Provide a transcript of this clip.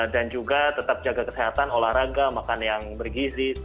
dan juga tetap jaga kesehatan olahraga makan yang bergizi